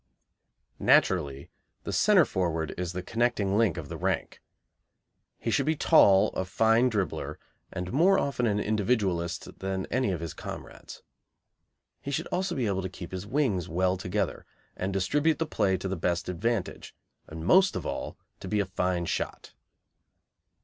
Naturally, the centre forward is the connecting link of the rank. He should be tall, a fine dribbler, and more often an individualist than any of his comrades. He should also be able to keep his wings well together, and distribute the play to the best advantage, and most of all to be a fine shot.